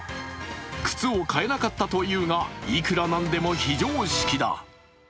靴を買えなかったというが、いくらなんでも非常識だ。